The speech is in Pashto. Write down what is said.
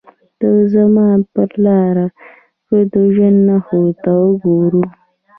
د زمان پر لارو که د ژوند نښو ته وګورو.